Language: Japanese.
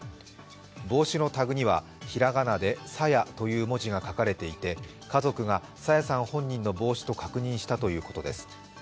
帽子のタグには、ひらがなでさやという文字が書かれていて家族が朝芽さん本人の帽子と確認したということです。